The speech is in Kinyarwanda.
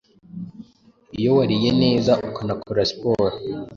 Iyo wariye neza ukanakora siporo,